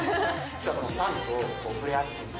ファンと触れ合ってみて。